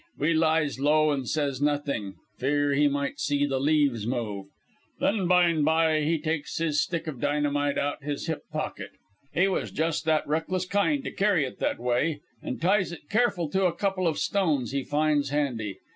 We lies low an' says nothing, fear he might see the leaves move. "Then byne by he takes his stick of dynamite out his hip pocket he was just that reckless kind to carry it that way an' ties it careful to a couple of stones he finds handy.